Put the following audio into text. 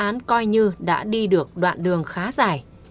thì phá án coi như đã đi được đoạn đường khá dài